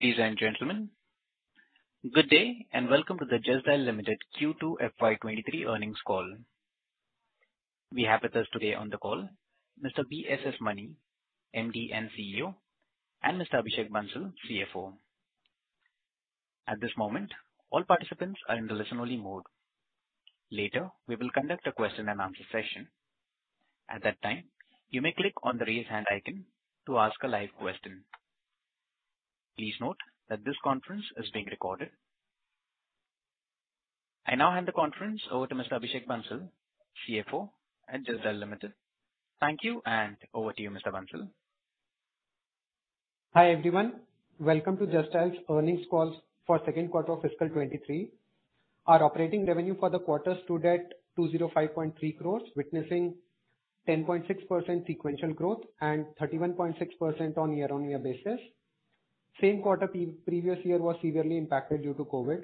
Ladies and gentlemen, good day and welcome to the Justdial Limited Q2 FY 2023 earnings call. We have with us today on the call Mr. V.S.S. Mani, MD and CEO, and Mr. Abhishek Bansal, CFO. At this moment, all participants are in the listen-only mode. Later, we will conduct a question and answer session. At that time, you may click on the Raise Hand icon to ask a live question. Please note that this conference is being recorded. I now hand the conference over to Mr. Abhishek Bansal, CFO at Justdial Limited. Thank you, and over to you, Mr. Bansal. Hi, everyone. Welcome to Justdial's earnings call for second quarter of fiscal 2023. Our operating revenue for the quarter stood at 205.3 crore, witnessing 10.6% sequential growth and 31.6% on year-on-year basis. Same quarter previous year was severely impacted due to COVID.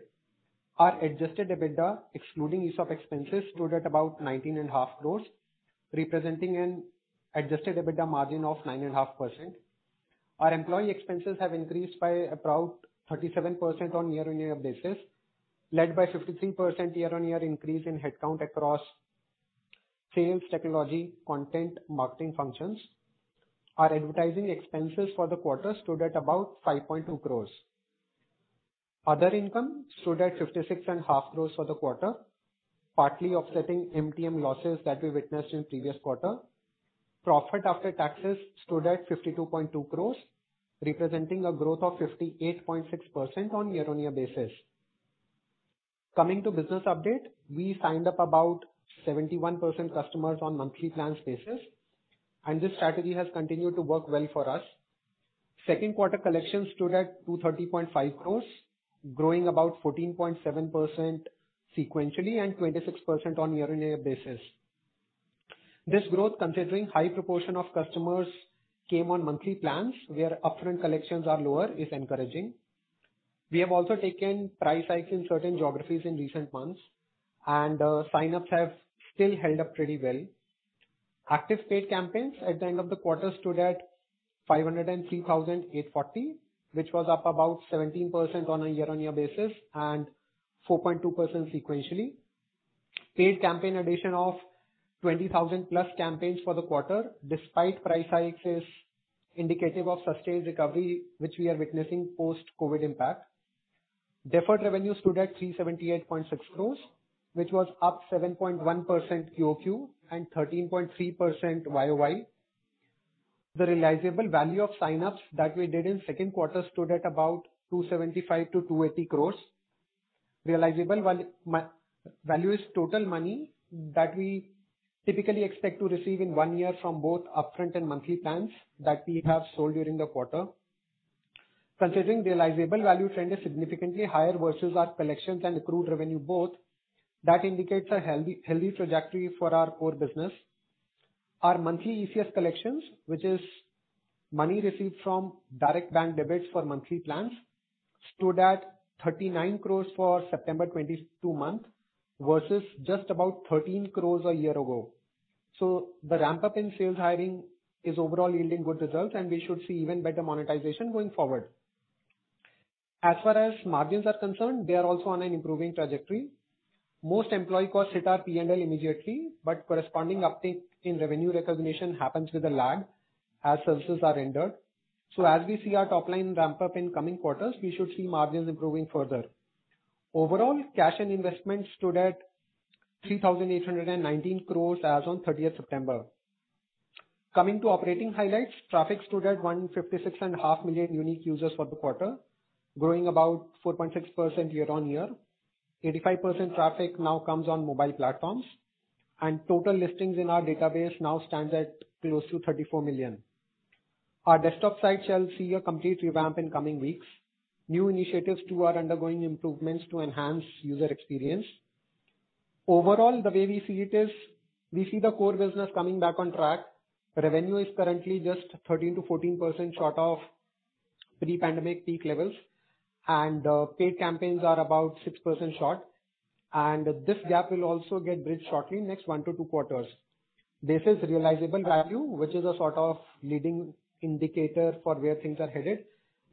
Our adjusted EBITDA, excluding ESOP expenses, stood at about 19.5 crore, representing an adjusted EBITDA margin of 9.5%. Our employee expenses have increased by about 37% on year-on-year basis, led by 53% year-on-year increase in head count across sales, technology, content, marketing functions. Our advertising expenses for the quarter stood at about 5.2 crore. Other income stood at 56.5 crore for the quarter, partly offsetting MTM losses that we witnessed in previous quarter. Profit after taxes stood at 52.2 crore, representing a growth of 58.6% on year-on-year basis. Coming to business update. We signed up about 71% customers on monthly plans basis, and this strategy has continued to work well for us. Second quarter collections stood at 230.5 crore, growing about 14.7% sequentially and 26% on year-on-year basis. This growth, considering high proportion of customers came on monthly plans where upfront collections are lower, is encouraging. We have also taken price hikes in certain geographies in recent months, and sign-ups have still held up pretty well. Active paid campaigns at the end of the quarter stood at 503,840, which was up about 17% on a year-on-year basis and 4.2% sequentially. Paid campaign addition of 20,000+ campaigns for the quarter despite price hikes is indicative of sustained recovery which we are witnessing post-COVID impact. Deferred revenue stood at 378.6 crore, which was up 7.1% QoQ and 13.3% YoY. The realizable value of sign-ups that we did in second quarter stood at about 275 crore-280 crore. Realizable value is total money that we typically expect to receive in one year from both upfront and monthly plans that we have sold during the quarter. Considering realizable value trend is significantly higher versus our collections and accrued revenue both, that indicates a healthy trajectory for our core business. Our monthly ECS collections, which is money received from direct bank debits for monthly plans, stood at 39 crore for September 2022 versus just about 13 crore a year ago. The ramp-up in sales hiring is overall yielding good results, and we should see even better monetization going forward. As far as margins are concerned, they are also on an improving trajectory. Most employee costs hit our P&L immediately, but corresponding uptake in revenue recognition happens with a lag as services are rendered. As we see our top line ramp up in coming quarters, we should see margins improving further. Overall, cash and investments stood at 3,819 crore as on September 30th. Coming to operating highlights. Traffic stood at 156.5 million unique users for the quarter, growing about 4.6% year-on-year. 85% traffic now comes on mobile platforms, and total listings in our database now stands at close to 34 million. Our desktop site shall see a complete revamp in coming weeks. New initiatives too are undergoing improvements to enhance user experience. Overall, the way we see it is we see the core business coming back on track. Revenue is currently just 13%-14% short of pre-pandemic peak levels and, paid campaigns are about 6% short, and this gap will also get bridged shortly next one to two quarters. This is realizable value, which is a sort of leading indicator for where things are headed.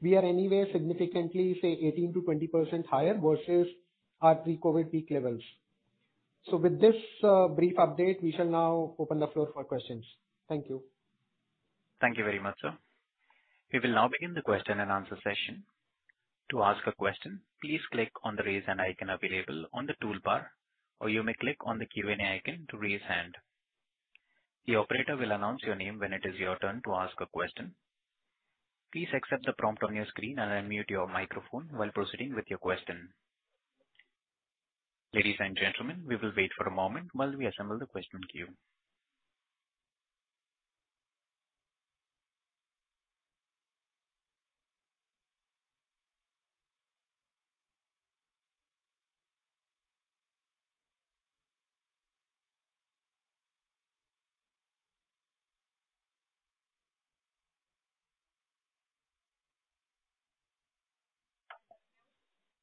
We are anyway significantly, say, 18%-20% higher versus our pre-COVID peak levels. With this brief update, we shall now open the floor for questions. Thank you. Thank you very much, sir. We will now begin the question and answer session. To ask a question, please click on the Raise Hand icon available on the toolbar, or you may click on the Q&A icon to raise hand. The operator will announce your name when it is your turn to ask a question. Please accept the prompt on your screen and unmute your microphone while proceeding with your question. Ladies and gentlemen, we will wait for a moment while we assemble the question queue.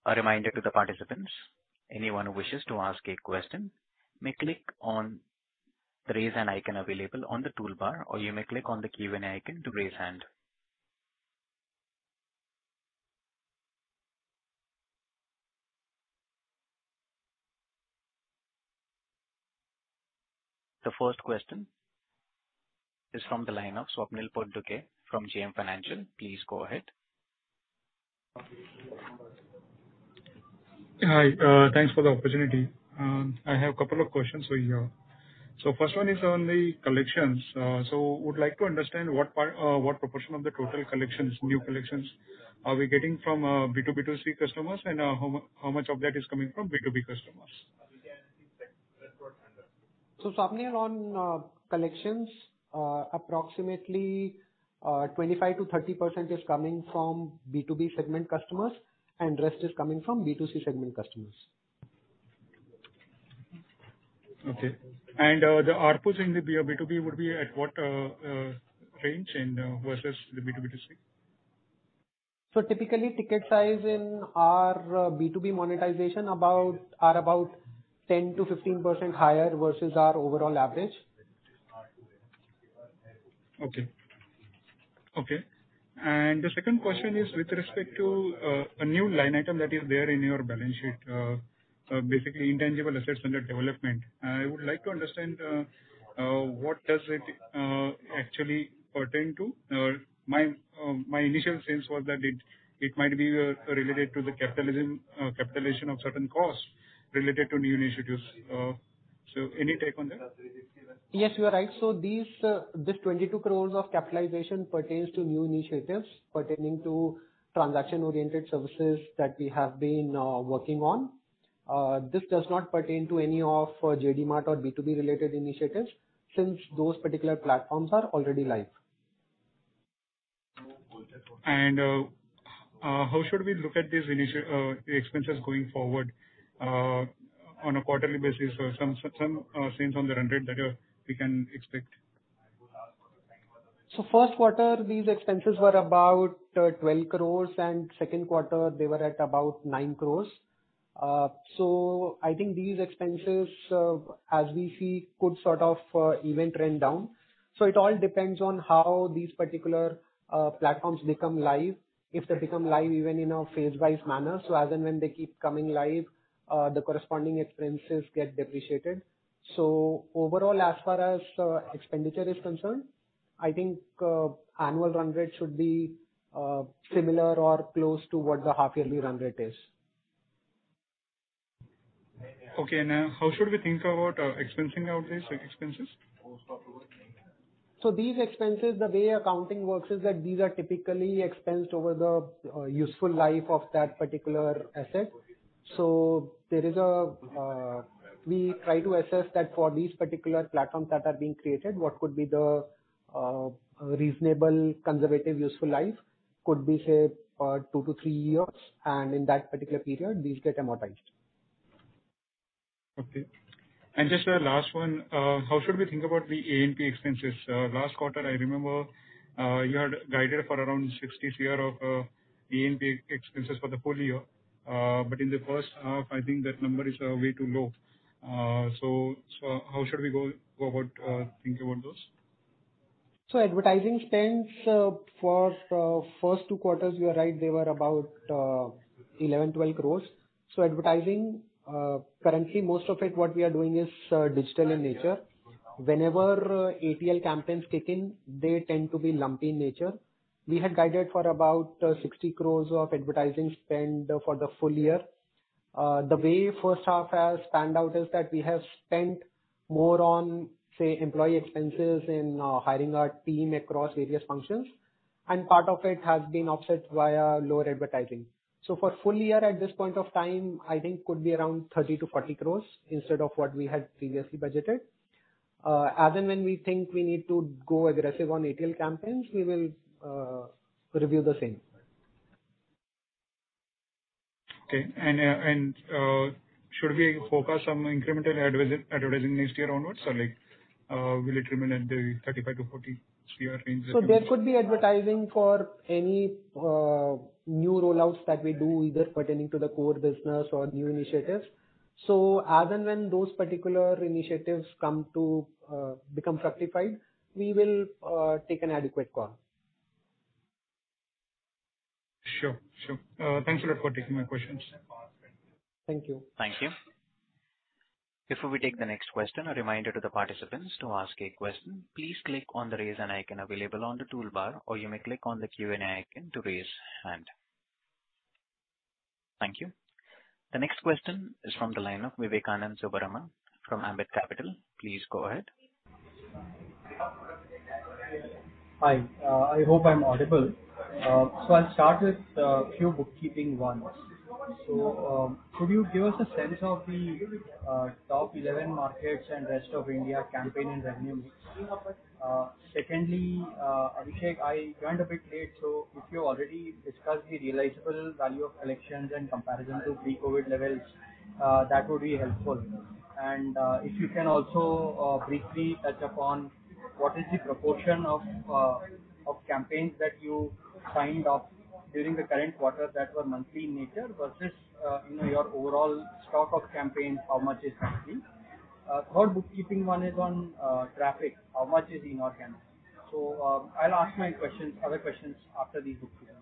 A reminder to the participants. Anyone who wishes to ask a question may click on Raise Hand icon available on the toolbar, or you may click on the Q&A icon to raise hand. The first question is from the line of Swapnil Potdukhe from JM Financial. Please go ahead. Hi. Thanks for the opportunity. I have a couple of questions for you. First one is on the collections. Would like to understand what proportion of the total collections, new collections are we getting from B2B2C customers and how much of that is coming from B2B customers? Swapnil, on collections, approximately 25%-30% is coming from B2B segment customers, and rest is coming from B2C segment customers. Okay. The ARPU in the B2B would be at what range and versus the B2BC? Typically ticket size in our B2B monetization are about 10%-15% higher versus our overall average. The second question is with respect to a new line item that is there in your balance sheet. Basically intangible assets under development. I would like to understand what does it actually pertain to? Or my initial sense was that it might be related to the capitalization of certain costs related to new initiatives. So any take on that? Yes, you are right. This 22 crore of capitalization pertains to new initiatives pertaining to transaction-oriented services that we have been working on. This does not pertain to any of Jd Mart or B2B related initiatives since those particular platforms are already live. How should we look at these initial expenses going forward, on a quarterly basis or some sense on the run rate that we can expect? First quarter, these expenses were about 12 crore, and second quarter they were at about 9 crore. I think these expenses, as we see, could sort of even trend down. It all depends on how these particular platforms become live, if they become live even in a phase-wise manner. As and when they keep coming live, the corresponding expenses get depreciated. Overall, as far as expenditure is concerned, I think annual run rate should be similar or close to what the half-yearly run rate is. Okay. Now, how should we think about expensing out these expenses? These expenses, the way accounting works is that these are typically expensed over the useful life of that particular asset. We try to assess that for these particular platforms that are being created, what could be the reasonable conservative useful life could be, say, two to three years, and in that particular period these get amortized. Okay. Just a last one. How should we think about the A&P expenses? Last quarter I remember, you had guided for around 60 crore of A&P expenses for the full year. But in the first half, I think that number is way too low. How should we go about thinking about those? Advertising spends for first two quarters, you are right, they were about 11 crore-12 crore. Advertising currently most of it, what we are doing is digital in nature. Whenever ATL campaigns kick in, they tend to be lumpy in nature. We had guided for about 60 crore of advertising spend for the full year. The way first half has panned out is that we have spent more on, say, employee expenses in hiring our team across various functions, and part of it has been offset via lower advertising. For full year at this point of time, I think could be around 30 crore-40 crore instead of what we had previously budgeted. As and when we think we need to go aggressive on ATL campaigns, we will review the same. Should we focus on incremental advertising next year onwards or like, will it remain at the 35 crore-40 crore range approximately? There could be advertising for any new rollouts that we do, either pertaining to the core business or new initiatives. As and when those particular initiatives come to become fructified, we will take an adequate call. Sure. Thanks a lot for taking my questions. Thank you. Thank you. Before we take the next question, a reminder to the participants, to ask a question, please click on the Raise Hand icon available on the toolbar or you may click on the Q&A icon to raise hand. Thank you. The next question is from the line of Vivekanand Subbaraman from Ambit Capital. Please go ahead. Hi. I hope I'm audible. I'll start with a few bookkeeping ones. Could you give us a sense of the top 11 markets and rest of India campaign and revenue mix? Secondly, Abhishek, I joined a bit late, so if you already discussed the realizable value of collections in comparison to pre-COVID levels, that would be helpful. If you can also briefly touch upon what is the proportion of campaigns that you signed off during the current quarter that were monthly in nature versus, you know, your overall stock of campaigns, how much is monthly? Third bookkeeping one is on traffic. How much is inorganic? I'll ask my other questions after these bookkeeping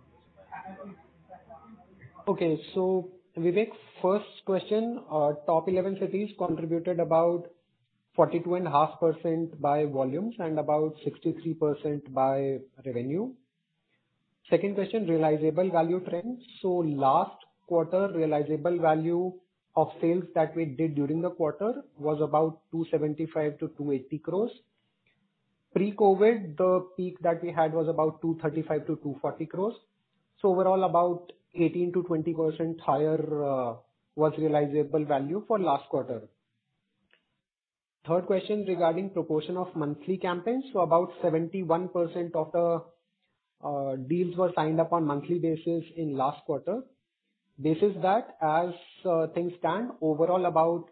ones. Vivek, first question, our top 11 cities contributed about 42.5% by volumes and about 63% by revenue. Second question, realizable value trends. Last quarter, realizable value of sales that we did during the quarter was about 275-280 crore. Pre-COVID, the peak that we had was about 235 crore- 240 crore. Overall about 18%-20% higher was realizable value for last quarter. Third question regarding proportion of monthly campaigns. About 71% of the deals were signed up on monthly basis in last quarter. This is, as things stand, overall about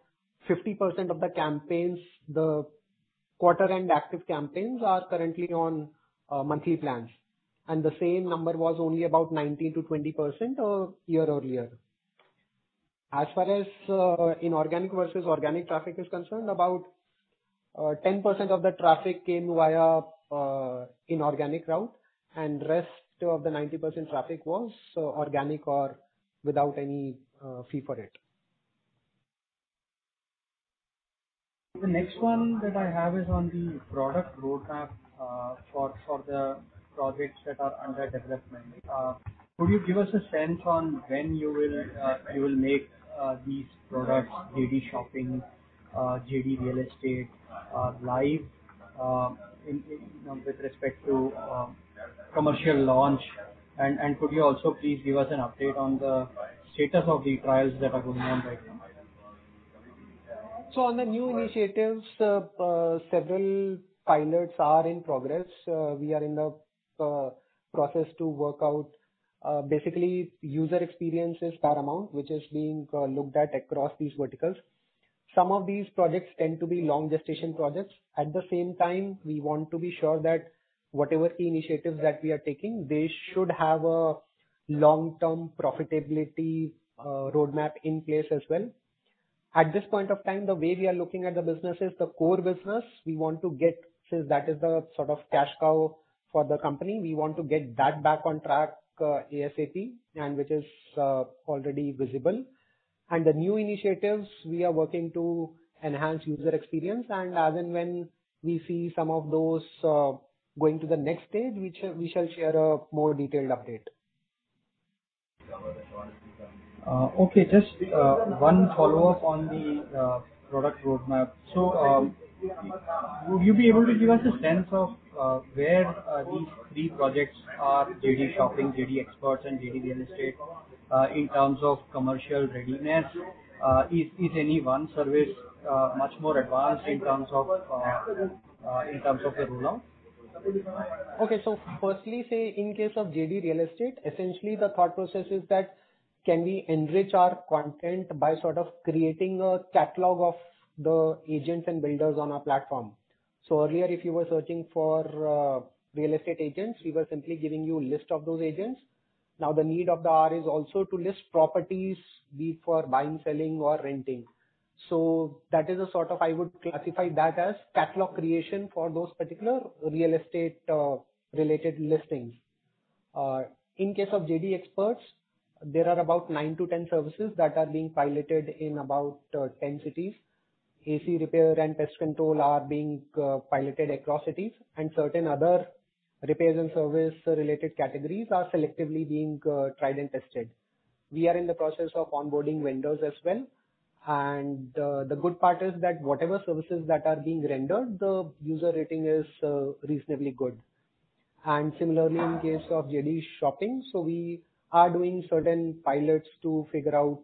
50% of the campaigns, the quarter-end active campaigns are currently on monthly plans, and the same number was only about 19%-20% year-over-year. As far as inorganic versus organic traffic is concerned, about 10% of the traffic came via inorganic route, and the rest of the 90% traffic was organic or without any fee for it. The next one that I have is on the product roadmap for the projects that are under development. Could you give us a sense on when you will make these products, Jd Shopping, Jd Real Estate, live in with respect to commercial launch? Could you also please give us an update on the status of the trials that are going on right now? On the new initiatives, several pilots are in progress. We are in the process to work out. Basically user experience is paramount, which is being looked at across these verticals. Some of these projects tend to be long gestation projects. At the same time, we want to be sure that whatever the initiatives that we are taking, they should have a long-term profitability roadmap in place as well. At this point of time, the way we are looking at the business is the core business we want to get, since that is the sort of cash cow for the company, we want to get that back on track, ASAP, and which is already visible. The new initiatives we are working to enhance user experience and as and when we see some of those going to the next stage, we shall share a more detailed update. Okay. Just one follow-up on the product roadmap. Would you be able to give us a sense of where these three projects are, Jd Shopping, Jd Xperts, and Jd Real Estate, in terms of commercial readiness? Is any one service much more advanced in terms of a rollout? Okay. Firstly, say in case of JD Real Estate, essentially the thought process is that can we enrich our content by sort of creating a catalog of the agents and builders on our platform? Earlier, if you were searching for real estate agents, we were simply giving you list of those agents. Now, the need of the hour is also to list properties, be it for buying, selling or renting. That is a sort of catalog creation for those particular real estate related listings. In case of Jd Xperts, there are about nine-10 services that are being piloted in about 10 cities. AC repair and pest control are being piloted across cities, and certain other repairs and service related categories are selectively being tried and tested. We are in the process of onboarding vendors as well, and the good part is that whatever services that are being rendered, the user rating is reasonably good. Similarly, in case of Jd Shopping, we are doing certain pilots to figure out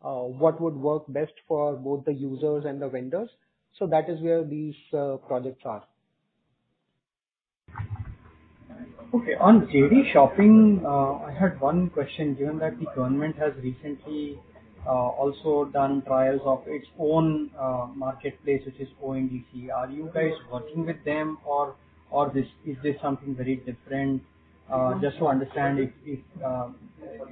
what would work best for both the users and the vendors. That is where these projects are. Okay. On Jd Shopping, I had one question, given that the government has recently also done trials of its own marketplace, which is ONDC, are you guys working with them or is this something very different? Just to understand if you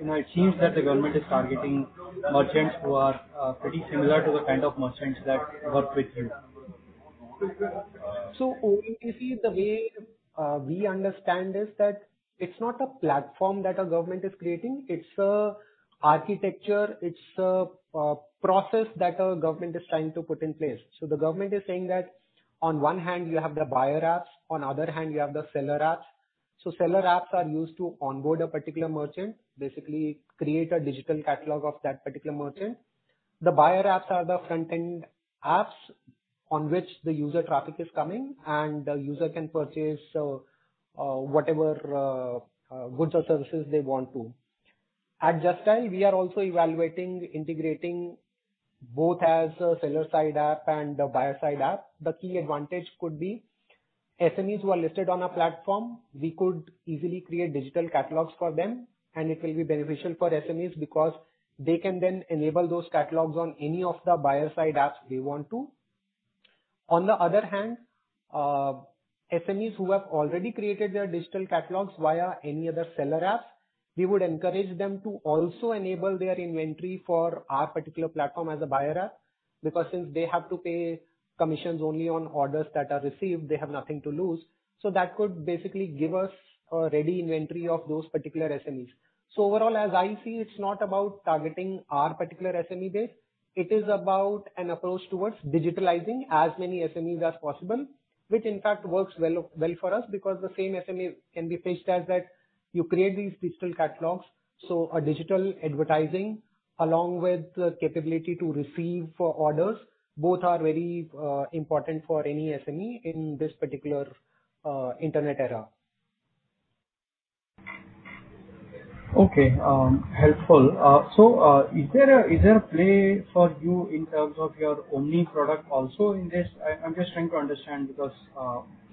know, it seems that the government is targeting merchants who are pretty similar to the kind of merchants that work with you. ONDC, the way we understand is that it's not a platform that a government is creating. It's an architecture, it's a process that a government is trying to put in place. The government is saying that on one hand, you have the buyer apps, on the other hand you have the seller apps. Seller apps are used to onboard a particular merchant, basically create a digital catalog of that particular merchant. The buyer apps are the front-end apps on which the user traffic is coming, and the user can purchase whatever goods or services they want to. Justdial, we are also evaluating integrating both as a seller side app and a buyer side app. The key advantage could be SMEs who are listed on a platform, we could easily create digital catalogs for them, and it will be beneficial for SMEs because they can then enable those catalogs on any of the buyer side apps they want to. On the other hand, SMEs who have already created their digital catalogs via any other seller app, we would encourage them to also enable their inventory for our particular platform as a buyer app, because since they have to pay commissions only on orders that are received, they have nothing to lose. That could basically give us a ready inventory of those particular SMEs. Overall, as I see, it's not about targeting our particular SME base. It is about an approach towards digitalizing as many SMEs as possible, which in fact works well for us because the same SME can be pitched as that you create these digital catalogs. A digital advertising along with the capability to receive orders, both are very important for any SME in this particular internet era. Okay, helpful. Is there a play for you in terms of your Omni product also in this? I'm just trying to understand because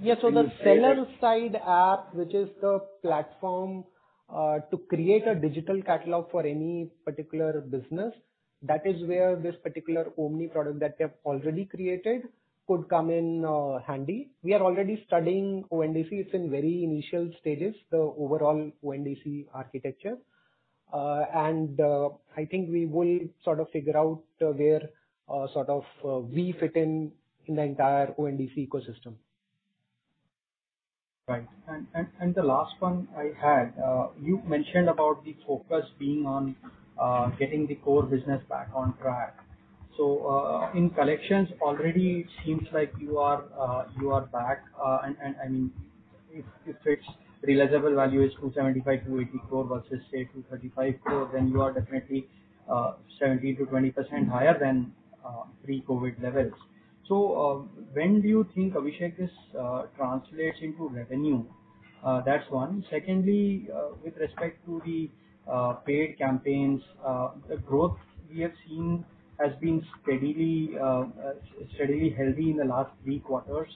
Yes. The seller side app, which is the platform, to create a digital catalog for any particular business, that is where this particular Jd Omni that they have already created could come in, handy. We are already studying ONDC. It's in very initial stages, the overall ONDC architecture. I think we will sort of figure out where, sort of, we fit in the entire ONDC ecosystem. Right. The last one I had, you mentioned about the focus being on getting the core business back on track. In collections, already seems like you are back. I mean, if its realizable value is 275 crore-280 crore versus say 235 crore, then you are definitely 17%-20% higher than pre-COVID levels. When do you think, Abhishek, this translates into revenue? That's one. Secondly, with respect to the paid campaigns, the growth we have seen has been steadily healthy in the last three quarters.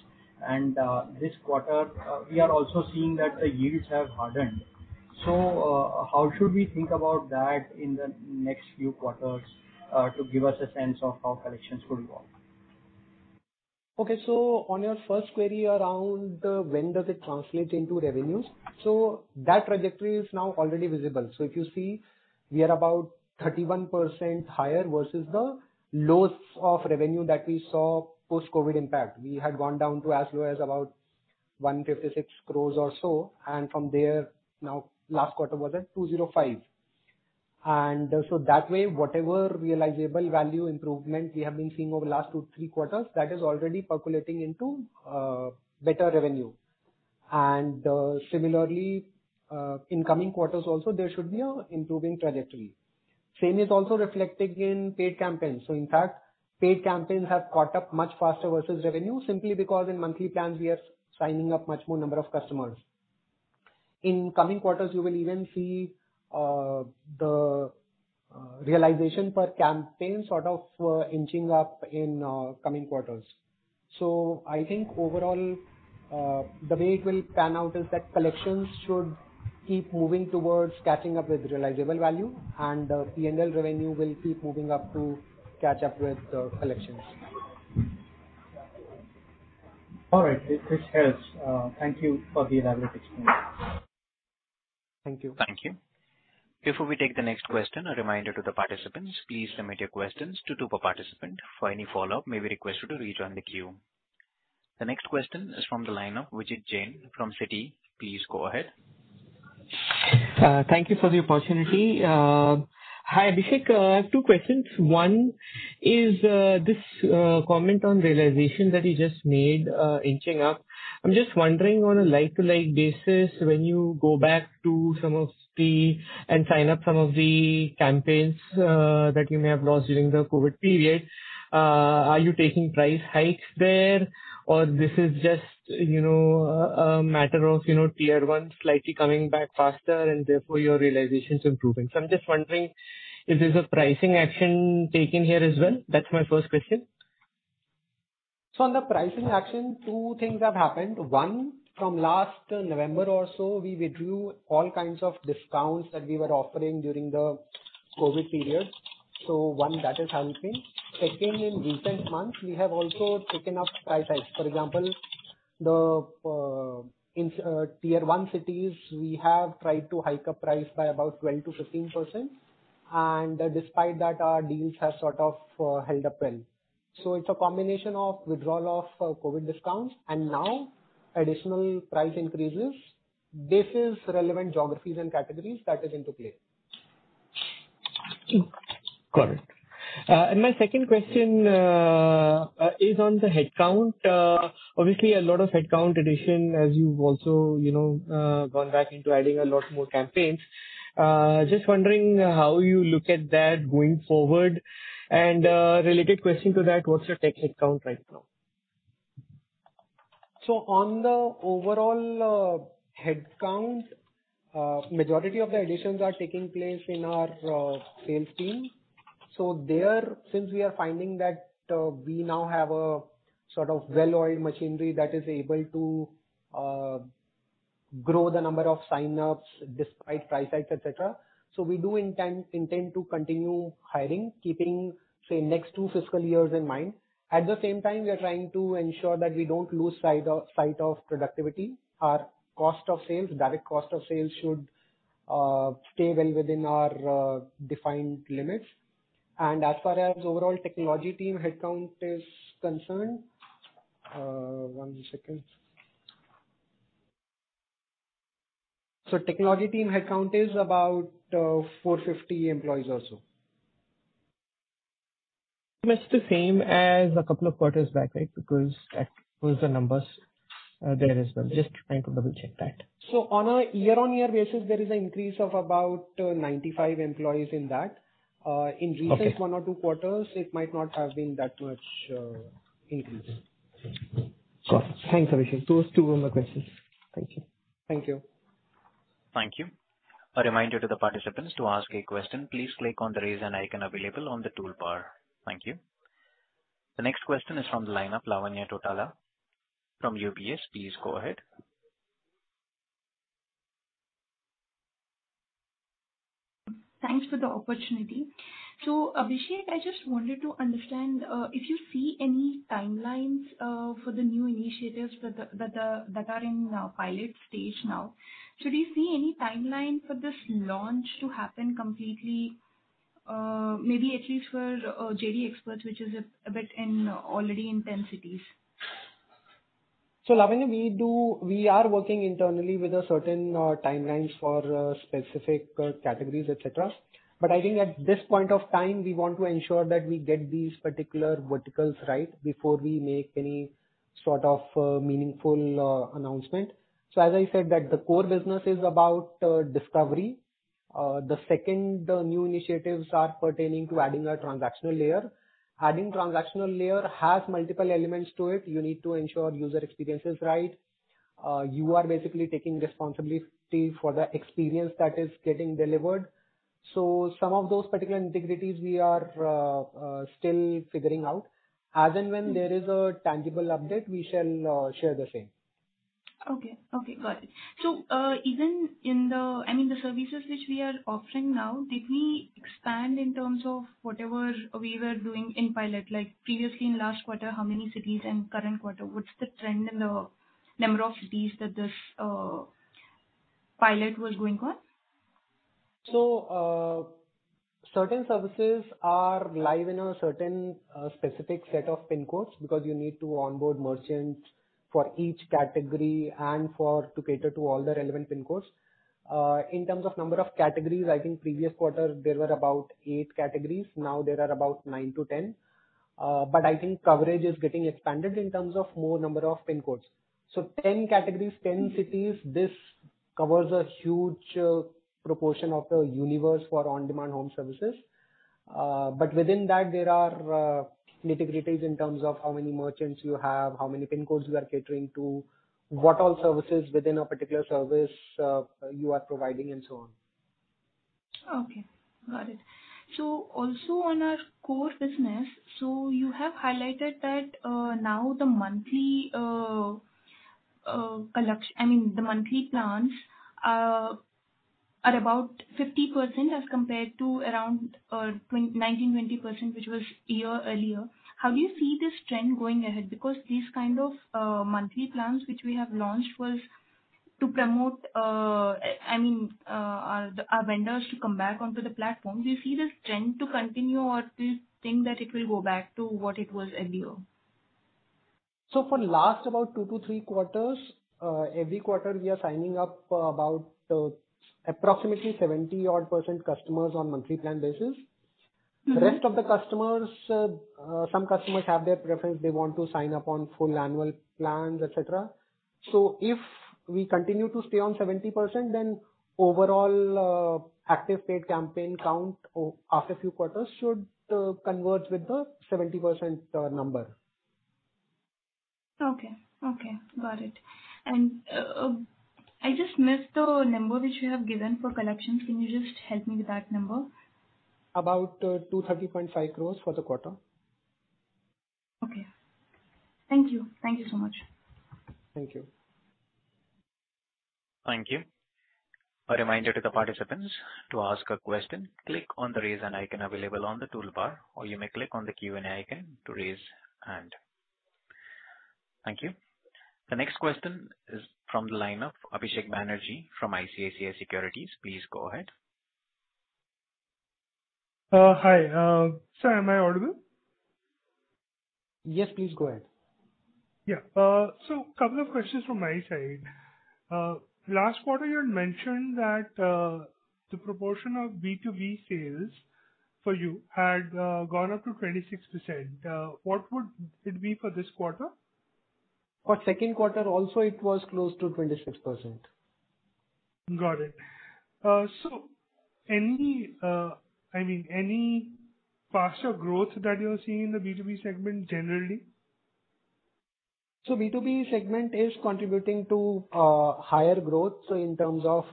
This quarter, we are also seeing that yields have hardened. How should we think about that in the next few quarters to give us a sense of how collections could evolve? Okay. On your first query around, when does it translate into revenues. That trajectory is now already visible. If you see, we are about 31% higher versus the lows of revenue that we saw post-COVID impact. We had gone down to as low as about 156 crore or so, and from there no w last quarter was at 205 crore. That way, whatever realizable value improvement we have been seeing over the last two, three quarters, that is already percolating into better revenue. Similarly, in coming quarters also there should be an improving trajectory. Same is also reflected in paid campaigns. In fact, paid campaigns have caught up much faster versus revenue simply because in monthly plans we are signing up much more number of customers. In coming quarters, you will even see the realization per campaign sort of inching up in coming quarters. I think overall the way it will pan out is that collections should keep moving towards catching up with realizable value and P&L revenue will keep moving up to catch up with the collections. All right. This helps. Thank you for the elaborate explanation. Thank you. Thank you. Before we take the next question, a reminder to the participants, please limit your questions to two per participant. For any follow-up, you may be requested to rejoin the queue. The next question is from the line of Vijit Jain from Citi. Please go ahead. Thank you for the opportunity. Hi, Abhishek. I have two questions. One is, this comment on realization that you just made, inching up. I'm just wondering on a like-for-like basis, when you go back to some of the and sign up some of the campaigns, that you may have lost during the COVID period, are you taking price hikes there or this is just, you know, a matter of, you know, tier one slightly coming back faster and therefore your realization's improving? I'm just wondering if there's a pricing action taken here as well. That's my first question. On the pricing action, two things have happened. One, from last November or so, we withdrew all kinds of discounts that we were offering during the COVID period. One, that is helping. Second, in recent months, we have also taken up price hikes. For example, in tier one cities, we have tried to hike up price by about 12%-15%. Despite that, our deals have sort of held up well. It's a combination of withdrawal of COVID discounts and now additional price increases. This is relevant in geographies and categories that are in play. Got it. My second question is on the headcount. Obviously a lot of headcount addition as you've also, you know, gone back into adding a lot more campaigns. Just wondering how you look at that going forward. Related question to that, what's your tech headcount right now? On the overall headcount, majority of the additions are taking place in our sales team. There, since we are finding that we now have a sort of well-oiled machinery that is able to grow the number of sign-ups despite price hikes, et cetera. We do intend to continue hiring, keeping, say, next two fiscal years in mind. At the same time, we are trying to ensure that we don't lose sight of productivity. Our cost of sales, direct cost of sales should stay well within our defined limits. As far as overall technology team headcount is concerned, one second. Technology team headcount is about 450 employees or so. That's the same as a couple of quarters back, right? Because that was the numbers, there as well. Just trying to double-check that. On a year-on-year basis, there is an increase of about 95 employees in that. Okay. In recent one or two quarters, it might not have been that much increase. Got it. Thanks, Abhishek. Those two were my questions. Thank you. Thank you. Thank you. A reminder to the participants to ask a question, please click on the Raise Hand icon available on the toolbar. Thank you. The next question is from the line of Lavanya Tottala from UBS. Please go ahead. Thanks for the opportunity. Abhishek, I just wanted to understand if you see any timelines for the new initiatives that are in pilot stage now. Do you see any timeline for this launch to happen completely? Maybe at least for Jd Xperts, which is a bit already in 10 cities. Lavanya, we are working internally with a certain timelines for specific categories, et cetera. I think at this point of time, we want to ensure that we get these particular verticals right before we make any sort of meaningful announcement. As I said that the core business is about discovery. The second new initiatives are pertaining to adding a transactional layer. Adding transactional layer has multiple elements to it. You need to ensure user experience is right. You are basically taking responsibility for the experience that is getting delivered. Some of those particular nitty-gritties we are still figuring out. As and when there is a tangible update, we shall share the same. Okay, got it. Even in the services which we are offering now, did we expand in terms of whatever we were doing in pilot? Like previously in last quarter, how many cities and current quarter, what's the trend in the number of cities that this pilot was going on? Certain services are live in a certain specific set of pin codes because you need to onboard merchants for each category and to cater to all the relevant pin codes. In terms of number of categories, I think previous quarter there were about eight categories, now there are about nine to 10. But I think coverage is getting expanded in terms of more number of pin codes. 10 categories, 10 cities, this covers a huge proportion of the universe for on-demand home services. But within that, there are nitty-gritties in terms of how many merchants you have, how many pin codes you are catering to, what all services within a particular service you are providing, and so on. Okay, got it. Also on our core business, you have highlighted that now the monthly plans are about 50% as compared to around 19%-20%, which was a year earlier. How do you see this trend going ahead? Because these kind of monthly plans which we have launched was to promote, I mean, our vendors to come back onto the platform. Do you see this trend to continue, or do you think that it will go back to what it was earlier? For last about two to three quarters, every quarter we are signing up about approximately 70-odd% customers on monthly plan basis. Mm-hmm. The rest of the customers, some customers have their preference, they want to sign up on full annual plans, et cetera. If we continue to stay on 70%, then overall, active paid campaign count, after few quarters should converge with the 70% number. Okay, got it. I just missed the number which you have given for collections. Can you just help me with that number? About 230.5 crore for the quarter. Okay. Thank you. Thank you so much. Thank you. Thank you. A reminder to the participants to ask a question, click on the Raise Hand icon available on the toolbar, or you may click on the Q&A icon to raise hand. Thank you. The next question is from the line of Abhishek Banerjee from ICICI Securities. Please go ahead. Hi. Sir, am I audible? Yes, please go ahead. Yeah. Couple of questions from my side. Last quarter you had mentioned that the proportion of B2B sales for you had gone up to 26%. What would it be for this quarter? For second quarter also it was close to 26%. Got it. I mean, any faster growth that you're seeing in the B2B segment generally? B2B segment is contributing to higher growth. In terms of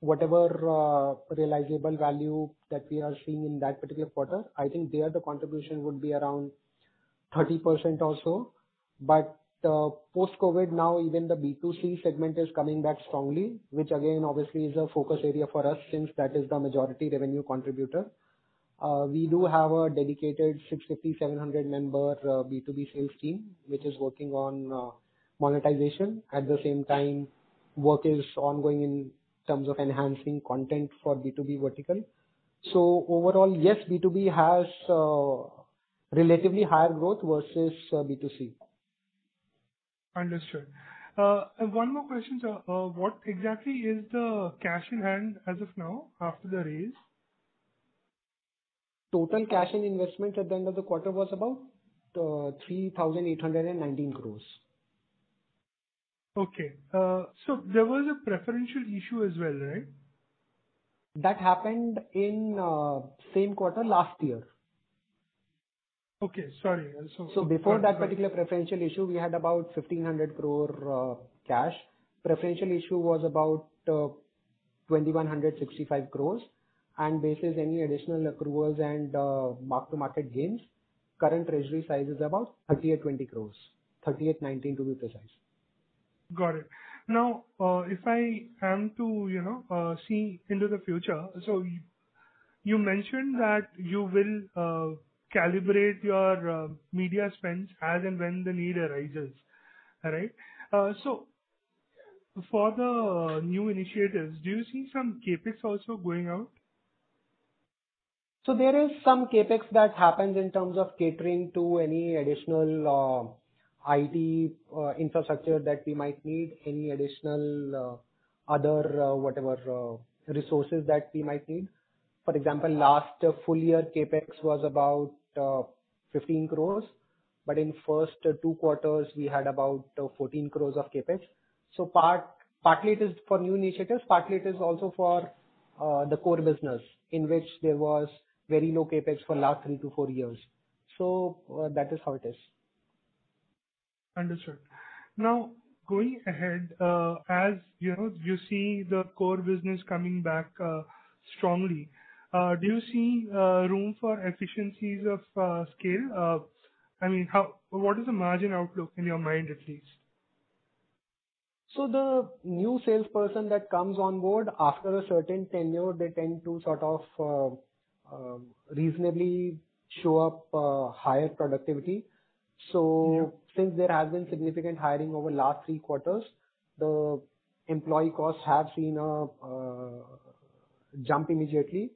whatever realizable value that we are seeing in that particular quarter, I think there the contribution would be around 30% or so. Post-COVID now even the B2C segment is coming back strongly, which again, obviously is a focus area for us since that is the majority revenue contributor. We do have a dedicated 650-700 member B2B sales team which is working on monetization. At the same time, work is ongoing in terms of enhancing content for B2B vertical. Overall, yes, B2B has relatively higher growth versus B2C. Understood. One more question, sir. What exactly is the cash in hand as of now after the raise? Total cash and investment at the end of the quarter was about 3,819 crore. Okay. There was a preferential issue as well, right? That happened in same quarter last year. Okay. Sorry. Before that particular preferential issue, we had about 1,500 crore cash. Preferential issue was about 2,165 crore. Basis any additional accruals and mark-to-market gains, current treasury size is about 3,820 crore. 3,819 to be precise. Got it. Now, if I am to, you know, see into the future. You mentioned that you will calibrate your media spends as and when the need arises, right? For the new initiatives, do you see some CapEx also going out? There is some CapEx that happens in terms of catering to any additional IT infrastructure that we might need, any additional other whatever resources that we might need. For example, last full year CapEx was about 15 crore, but in first two quarters we had about 14 crore of CapEx. Partly it is for new initiatives, partly it is also for the core business, in which there was very low CapEx for last three to four years. That is how it is. Understood. Now, going ahead, as you know, you see the core business coming back strongly. Do you see room for efficiencies of scale? I mean, what is the margin outlook in your mind, at least? The new salesperson that comes on board, after a certain tenure, they tend to sort of reasonably show up higher productivity. Mm-hmm. Since there has been significant hiring over last three quarters, the employee costs have seen a jump immediately.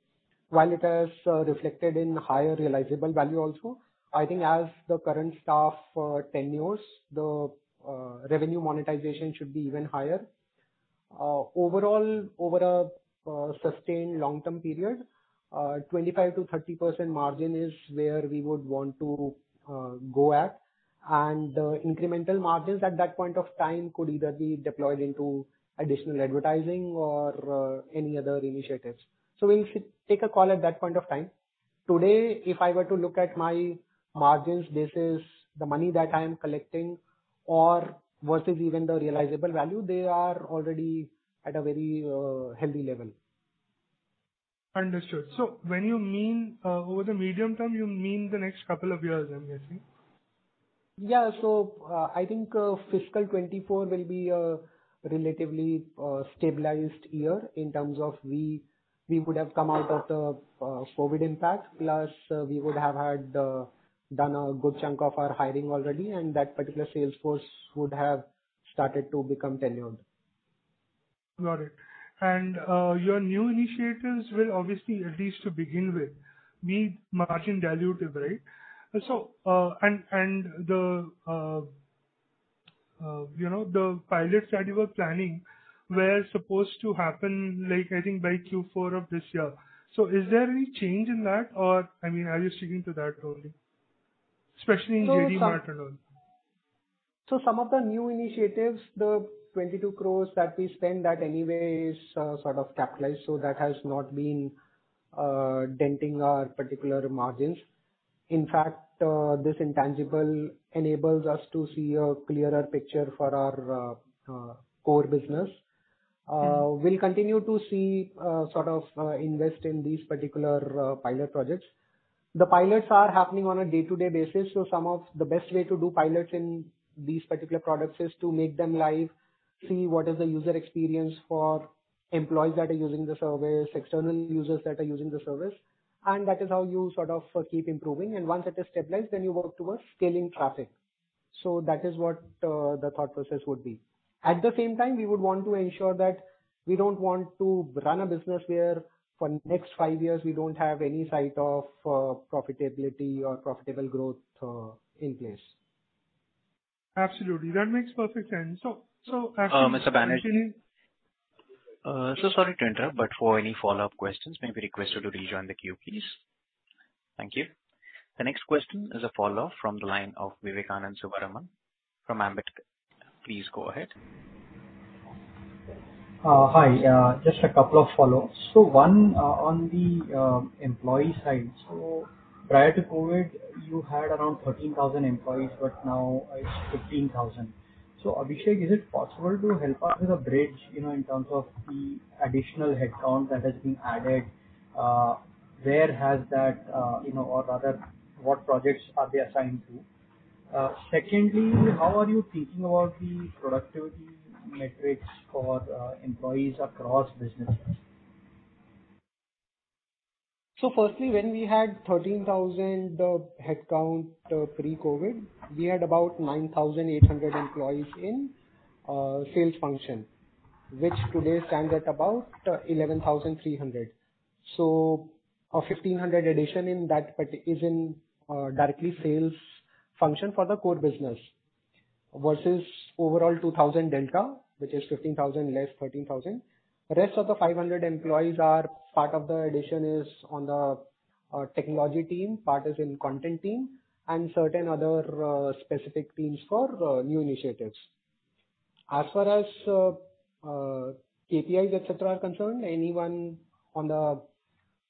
While it has reflected in higher realizable value also, I think as the current staff tenures, the revenue monetization should be even higher. Overall, over a sustained long-term period, 25%-30% margin is where we would want to go at. Incremental margins at that point of time could either be deployed into additional advertising or any other initiatives. We'll take a call at that point of time. Today, if I were to look at my margins basis the money that I am collecting or versus even the realizable value, they are already at a very healthy level. Understood. When you mean, over the medium term, you mean the next couple of years, I'm guessing? Yeah. I think fiscal 2024 will be a relatively stabilized year in terms of we would have come out of the COVID impact, plus we would have had done a good chunk of our hiring already, and that particular sales force would have started to become tenured. Got it. Your new initiatives will obviously, at least to begin with, be margin dilutive, right? You know, the pilots that you were planning were supposed to happen, like, I think by Q4 of this year. Is there any change in that or, I mean, are you sticking to that totally? Especially in Jd Mart. Some of the new initiatives, the 22 crore that we spent, that anyway is sort of capitalized, so that has not been denting our particular margins. In fact, this intangible enables us to see a clearer picture for our core business. We'll continue to see sort of invest in these particular pilot projects. The pilots are happening on a day-to-day basis, so some of the best way to do pilots in these particular products is to make them live, see what is the user experience for employees that are using the service, external users that are using the service, and that is how you sort of keep improving. Once that is stabilized, then you work towards scaling traffic. That is what the thought process would be. At the same time, we would want to ensure that we don't want to run a business where for next five years we don't have any sign of profitability or profitable growth in place. Absolutely. That makes perfect sense. Mr. Banerjee, so sorry to interrupt, but for any follow-up questions may we request you to rejoin the queue, please. Thank you. The next question is a follow-up from the line of Vivekanand Subbaraman from Ambit. Please go ahead. Hi. Just a couple of follow ups. One, on the employee side. Prior to COVID, you had around 13,000 employees, but now it's 15,000. Abhishek, is it possible to help us with a bridge, you know, in terms of the additional headcount that has been added? Where has that, you know, or rather what projects are they assigned to? Secondly, how are you thinking about the productivity metrics for employees across businesses? Firstly, when we had 13,000 headcount pre-COVID, we had about 9,800 employees in sales function. Which today stands at about 11,300. A 1,500 addition in that is in directly sales function for the core business versus overall 2,000 delta, which is 15,000 less 13,000. The rest of the 500 employees are part of the addition is on the technology team, part is in content team and certain other specific teams for new initiatives. As far as KPIs, et cetera, are concerned, anyone on the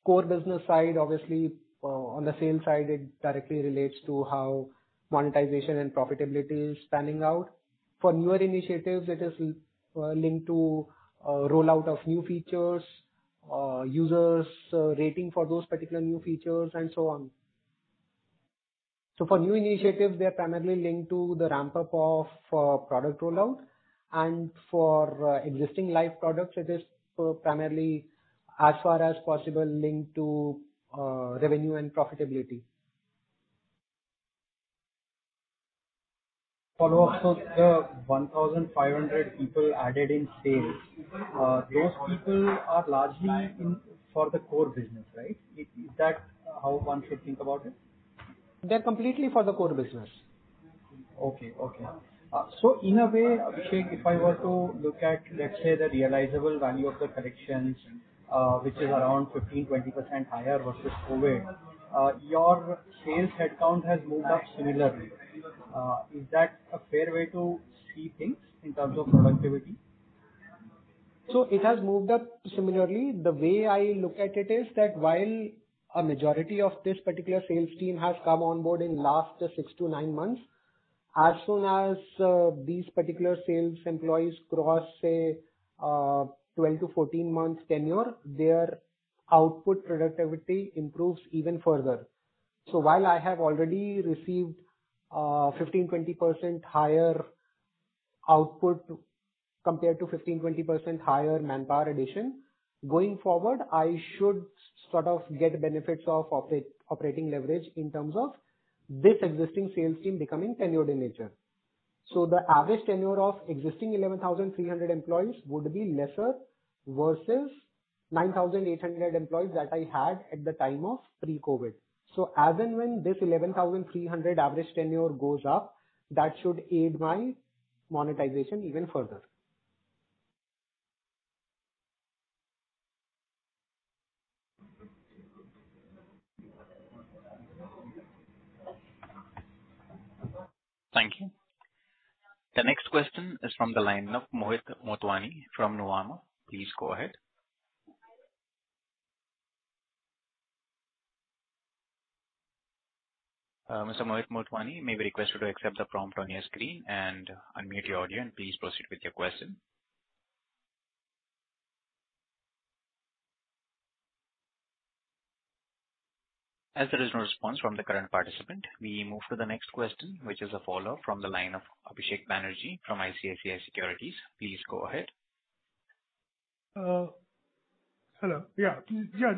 core business side, obviously, on the sales side, it directly relates to how monetization and profitability is panning out. For newer initiatives, it is linked to rollout of new features, users rating for those particular new features and so on. For new initiatives, they are primarily linked to the ramp-up of product rollout, and for existing live products, it is primarily as far as possible linked to revenue and profitability. Follow up. The 1,500 people added in sales, those people are largely in for the core business, right? Is that how one should think about it? They're completely for the core business. In a way, Abhishek, if I were to look at, let's say, the realizable value of the collections, which is around 15%-20% higher versus COVID, your sales headcount has moved up similarly. Is that a fair way to see things in terms of productivity? It has moved up similarly. The way I look at it is that while a majority of this particular sales team has come on board in last six to nine months, as soon as these particular sales employees cross, say, 12-14 months tenure, their output productivity improves even further. While I have already received 15%-20% higher output compared to 15%-20% higher manpower addition, going forward, I should sort of get benefits of operating leverage in terms of this existing sales team becoming tenured in nature. The average tenure of existing 11,300 employees would be lesser versus 9,800 employees that I had at the time of pre-COVID. As and when this 11,300 average tenure goes up, that should aid my monetization even further. Thank you. The next question is from the line of Mohit Motwani from Nuvama. Please go ahead. Mr. Mohit Motwani, you may be requested to accept the prompt on your screen and unmute your audio and please proceed with your question. As there is no response from the current participant, we move to the next question, which is a follow-up from the line of Abhishek Banerjee from ICICI Securities. Please go ahead. Hello. Yeah,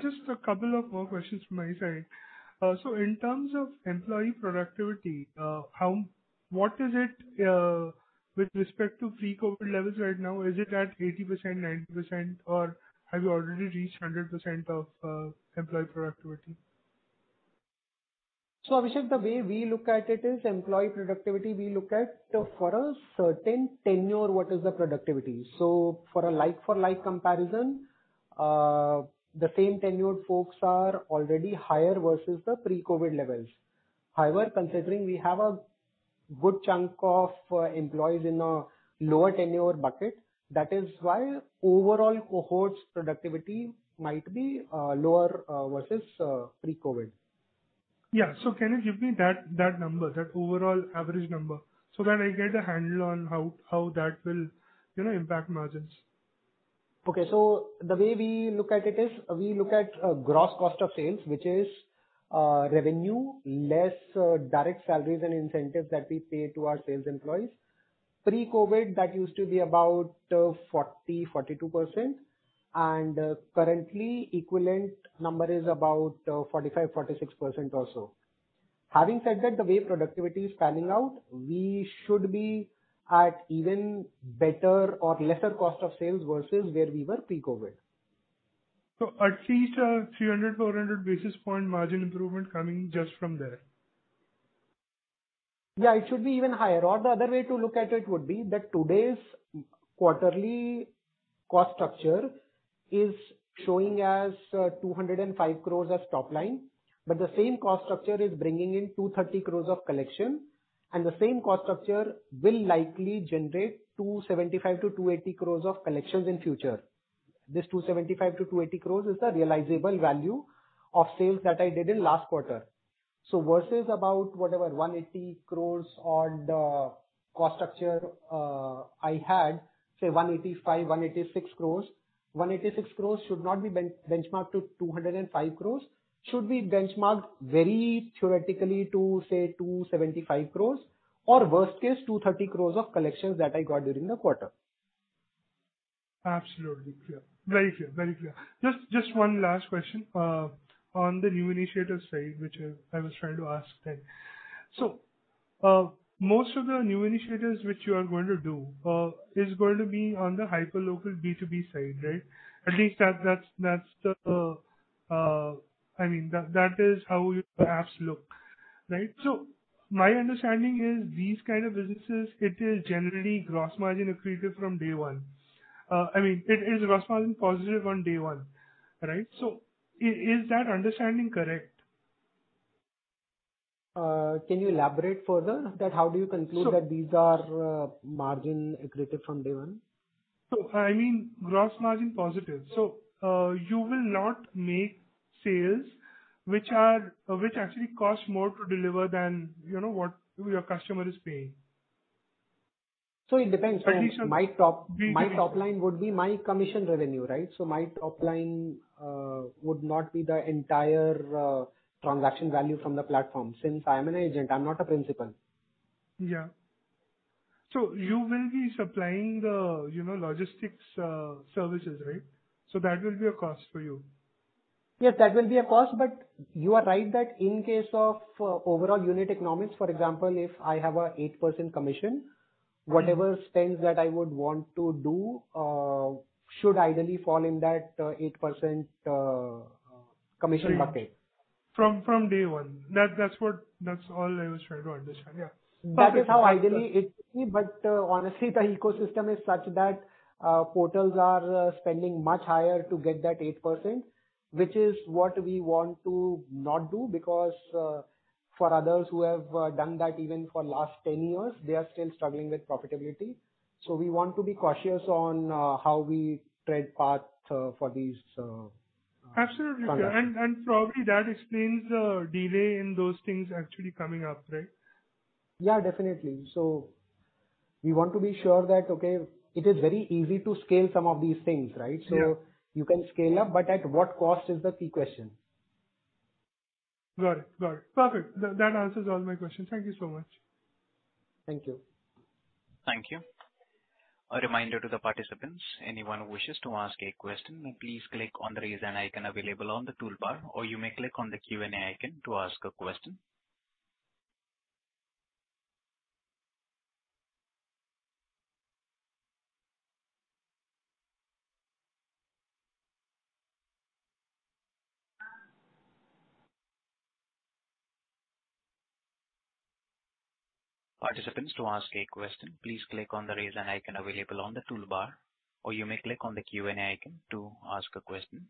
just a couple of more questions from my side. In terms of employee productivity, what is it with respect to pre-COVID levels right now? Is it at 80%, 90%, or have you already reached 100% of employee productivity? Abhishek, the way we look at it is employee productivity, we look at, for a certain tenure, what is the productivity? For a like-for-like comparison, the same tenured folks are already higher versus the pre-COVID levels. However, considering we have a good chunk of, employees in a lower tenure bucket, that is why overall cohorts productivity might be, lower, versus, pre-COVID. Yeah. Can you give me that number, that overall average number so that I get a handle on how that will, you know, impact margins? Okay. The way we look at it is we look at gross cost of sales, which is revenue less direct salaries and incentives that we pay to our sales employees. Pre-COVID, that used to be about 42%, and currently equivalent number is about 45%-46% or so. Having said that, the way productivity is panning out, we should be at even better or lesser cost of sales versus where we were pre-COVID. At least 300 basis points-400 basis points margin improvement coming just from there. Yeah, it should be even higher. The other way to look at it would be that today's m-quarterly cost structure is showing as 205 crore as top line, but the same cost structure is bringing in 230 crore of collection, and the same cost structure will likely generate 275 crore-280 crore of collections in future. This 275 crore-280 crore is the realizable value of sales that I did in last quarter. Versus about whatever 180 crore on the cost structure, I had, say 185 crore, 186 crore. 186 crore should not be benchmarked to 205 crore. Should we benchmark very theoretically to say 275 crore or worst case 230 crore of collections that I got during the quarter. Absolutely clear. Very clear. Just one last question on the new initiatives side, which I was trying to ask then. Most of the new initiatives which you are going to do is going to be on the hyperlocal B2B side, right? At least that's the, I mean that is how your apps look, right? My understanding is these kind of businesses, it is generally gross margin accretive from day one. I mean, it is gross margin positive on day one, right? Is that understanding correct? Can you elaborate further that how do you conclude that these are margin accretive from day one? I mean, gross margin positive. You will not make sales which actually cost more to deliver than, you know, what your customer is paying. It depends. My top line would be my commission revenue, right? My top line would not be the entire transaction value from the platform. Since I'm an agent, I'm not a principal. Yeah. You will be supplying the, you know, logistics, services, right? That will be a cost for you. Yes, that will be a cost. You are right that in case of overall unit economics, for example, if I have an 8% commission- Right. Whatever spends that I would want to do should ideally fall in that 8% commission bucket. From day one. That's all I was trying to understand. Yeah. That is how ideally it. Honestly, the ecosystem is such that portals are spending much higher to get that 8%, which is what we want to not do because for others who have done that even for last 10 years, they are still struggling with profitability. We want to be cautious on how we tread path for these. Absolutely. -products. Probably that explains the delay in those things actually coming up, right? Yeah, definitely. We want to be sure that, okay, it is very easy to scale some of these things, right? Yeah. You can scale up, but at what cost is the key question. Got it. Perfect. That answers all my questions. Thank you so much. Thank you. Thank you. A reminder to the participants, anyone who wishes to ask a question, please click on the Raise Hand icon available on the toolbar, or you may click on the Q&A icon to ask a question. Participants, to ask a question, please click on the Raise Hand icon available on the toolbar, or you may click on the Q&A icon to ask a question.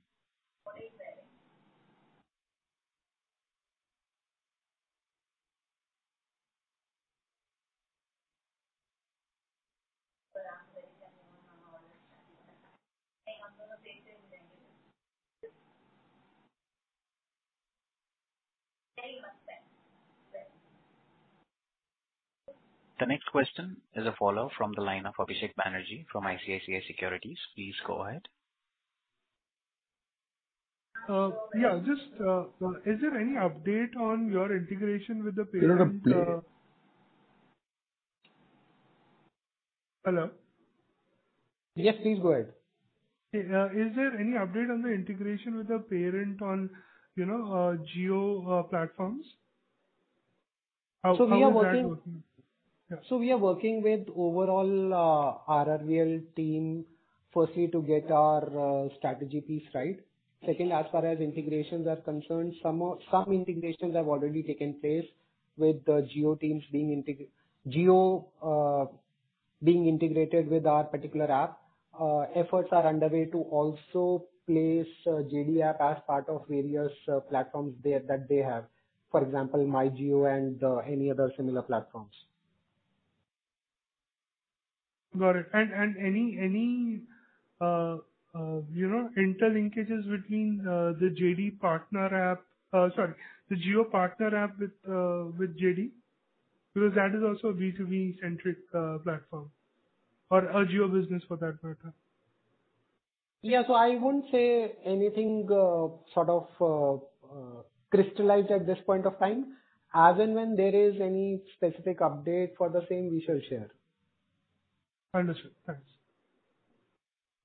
The next question is a follow-up from the line of Abhishek Banerjee from ICICI Securities. Please go ahead. Yeah, just, is there any update on your integration with the parent? Hello? Yes, please go ahead. Is there any update on the integration with the parent on, you know, Jio platforms? How is that working? We are working. Yeah. We are working with overall our RIL team firstly to get our strategy piece right. Second, as far as integrations are concerned, some integrations have already taken place with the Jio teams, Jio being integrated with our particular app. Efforts are underway to also place Jd App as part of various platforms there that they have. For example, MyJio and any other similar platforms. Got it. Any, you know, interlinkages between, sorry, the Jio partner app with Jd, because that is also a B2B-centric platform, or a Jio Business for that matter. Yeah. I won't say anything, sort of, crystallized at this point of time. As and when there is any specific update for the same, we shall share. Understood. Thanks.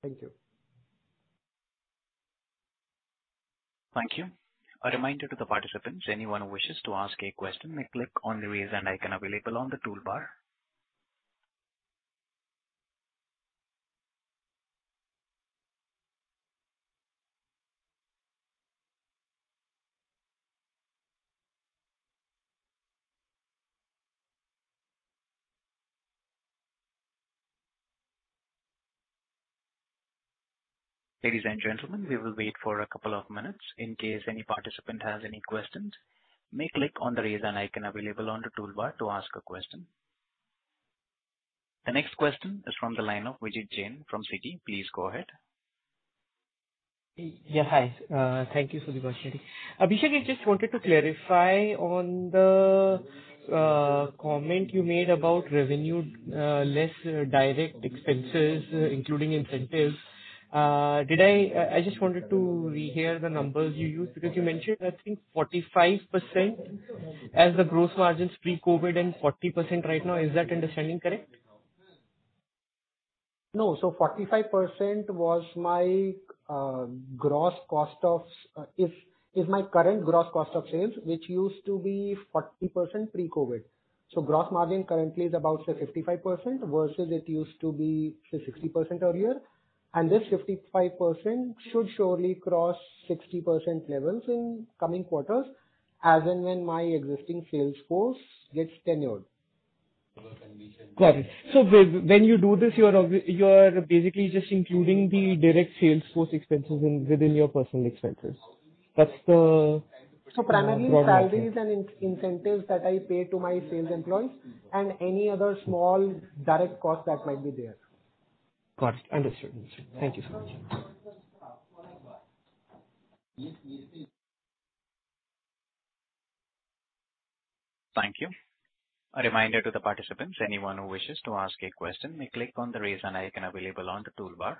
Thank you. Thank you. A reminder to the participants, anyone who wishes to ask a question may click on the Raise Hand icon available on the toolbar. Ladies and gentlemen, we will wait for a couple of minutes in case any participant has any questions. May click on the Raise Hand icon available on the toolbar to ask a question. The next question is from the line of Vijit Jain from Citi. Please go ahead. Yeah, hi. Thank you for the opportunity. Abhishek, I just wanted to clarify on the comment you made about revenue less direct expenses, including incentives. I just wanted to rehear the numbers you used because you mentioned, I think 45% as the gross margins pre-COVID and 40% right now. Is that understanding correct? No. 45% is my current gross cost of sales, which used to be 40% pre-COVID. Gross margin currently is about, say, 55% versus it used to be, say, 60% earlier. This 55% should surely cross 60% levels in coming quarters, as and when my existing sales force gets tenured. Got it. When you do this, you're basically just including the direct sales force expenses within your personal expenses. That's the. Primarily. the logic Salaries and incentives that I pay to my sales employees and any other small direct cost that might be there. Got it. Understood. Thank you so much. Thank you. A reminder to the participants, anyone who wishes to ask a question may click on the Raise Hand icon available on the toolbar.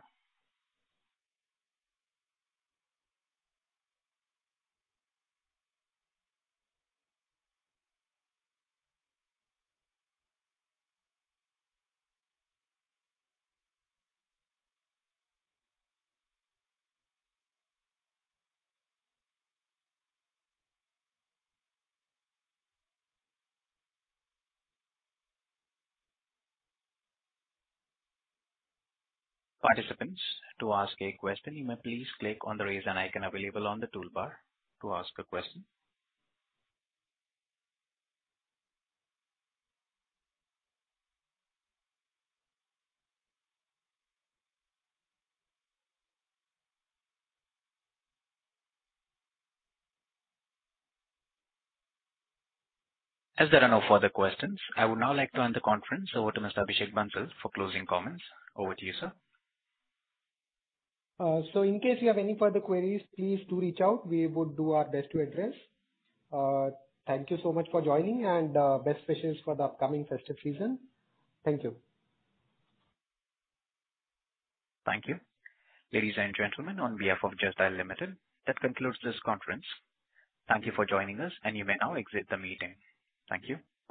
Participants, to ask a question, you may please click on the Raise Hand icon available on the toolbar to ask a question. As there are no further questions, I would now like to hand the conference over to Mr. Abhishek Bansal for closing comments. Over to you, sir. In case you have any further queries, please do reach out. We would do our best to address. Thank you so much for joining, and best wishes for the upcoming festive season. Thank you. Thank you. Ladies and gentlemen, on behalf of Justdial Limited, that concludes this conference. Thank you for joining us, and you may now exit the meeting. Thank you.